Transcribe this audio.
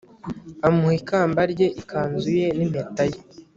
amuha ikamba rye, ikanzu ye n'impeta ye